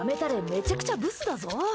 めちゃくちゃブスだぞ。